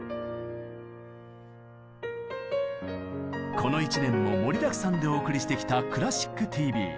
この１年も盛りだくさんでお送りしてきた「クラシックＴＶ」。